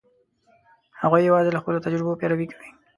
هغوی یواځې له خپلو تجربو پیروي کوي.